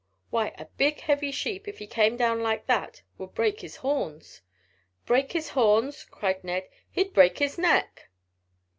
Why, a big, heavy sheep if he came down like that would break his horns." "Break his horns!" cried Ned. "He'd break his neck."